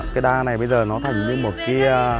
cây đa này bây giờ nó thành như một cái